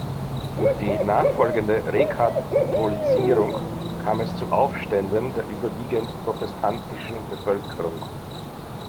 Durch die nachfolgende Rekatholisierung kam es zu Aufständen der überwiegend protestantischen Bevölkerung.